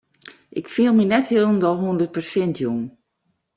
Ik fiel my net hielendal hûndert persint jûn.